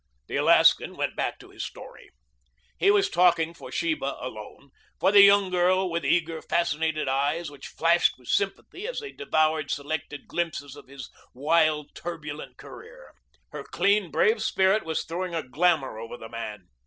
The Alaskan went back to his story. He was talking for Sheba alone, for the young girl with eager, fascinated eyes which flashed with sympathy as they devoured selected glimpses of his wild, turbulent career. Her clean, brave spirit was throwing a glamour over the man.